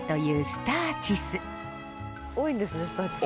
スターチス。